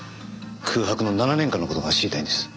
空白の７年間の事が知りたいんです。